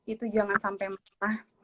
itu jangan sampai malah